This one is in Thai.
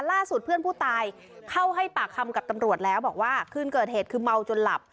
เพื่อนผู้ตายเข้าให้ปากคำกับตำรวจแล้วบอกว่าคืนเกิดเหตุคือเมาจนหลับ